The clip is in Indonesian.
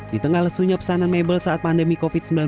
di tengah lesunya pesanan mebel saat pandemi covid sembilan belas